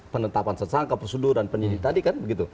penetapan sesangka prosedur dan penyidik tadi kan begitu